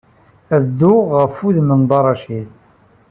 Ad dduɣ ɣef wudem n Dda Racid.